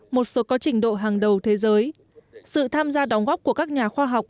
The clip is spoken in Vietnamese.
một số có trình độ hàng đầu thế giới sự tham gia đóng góp của các nhà khoa học